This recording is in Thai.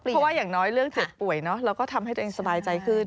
เพราะว่าอย่างน้อยเรื่องเจ็บป่วยเนอะเราก็ทำให้ตัวเองสบายใจขึ้น